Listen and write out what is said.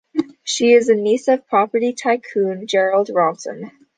She is the niece of property tycoon Gerald Ronson.